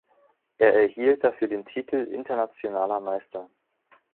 Er erhielt dafür den Titel Internationaler Meister.